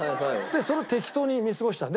それ適当に見過ごしたの。